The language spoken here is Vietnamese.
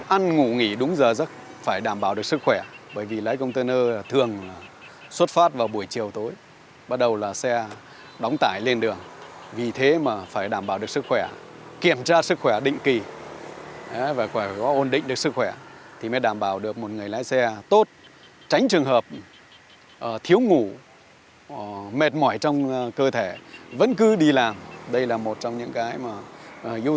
ăn ngủ nghỉ đúng giờ giấc phải đảm bảo được sức khỏe bởi vì lái container thường xuất phát vào buổi chiều tối bắt đầu là xe đóng tải lên đường vì thế mà phải đảm bảo được sức khỏe kiểm tra sức khỏe định kỳ và có ổn định được sức khỏe thì mới đảm bảo được một người lái xe tốt tránh trường hợp thiếu ngủ mệt mỏi trong cơ thể vẫn cứ đi làm đây là một trong những cái mà chúng ta phải làm